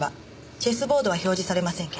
チェスボードは表示されませんけど。